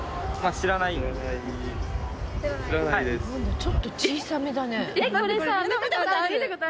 ちょっと小さめだね。